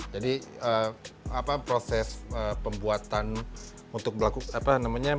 jadi proses pembuatan untuk berlaku apa namanya